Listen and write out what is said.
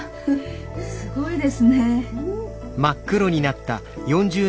すごいですね。